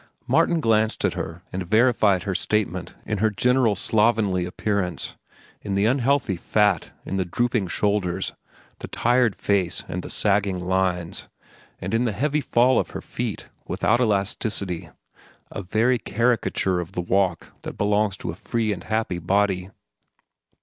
Martin glanced at her and verified her statement in her general slovenly appearance, in the unhealthy fat, in the drooping shoulders, the tired face with the sagging lines, and in the heavy fall of her feet, without elasticity—a very caricature of the walk that belongs to a free and happy body.